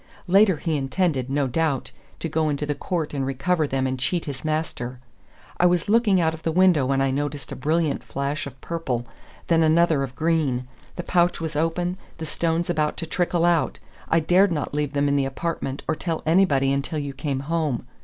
Later he intended, no doubt, to go into the court and recover them and cheat his master. I was looking out of the window, when I noticed a brilliant flash of purple, then another of green. The pouch was open, the stones about to trickle out. I dared not leave them in the apartment or tell anybody until you came home.